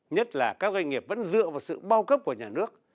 nhất là các doanh nghiệp vẫn dựa vào sự bao cấp của nhà nước